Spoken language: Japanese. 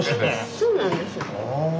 そうなんです。